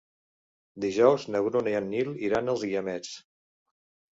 Dijous na Bruna i en Nil iran als Guiamets.